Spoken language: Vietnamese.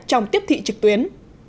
trong tiếp thị trực tuyến